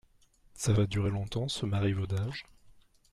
Ca va durer longtemps, ce marivaudage ?…